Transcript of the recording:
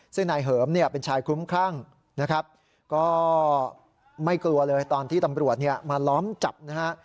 ซึ่งนายเหิมเป็นชายคุ้มข้างนะครับก็ไม่กลัวเลยตอนที่ตำรวจมาล้อมจับนะฮะ